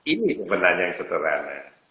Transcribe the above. ini sebenarnya yang sebenarnya